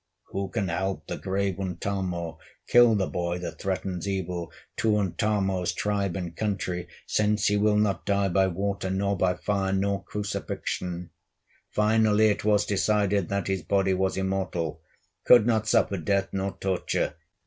Who can help the grave Untamo Kill the boy that threatens evil To Untamo's tribe and country, Since he will not die by water, Nor by fire, nor crucifixion? Finally it was decided That his body was immortal, Could not suffer death nor torture.